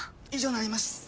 以上になります！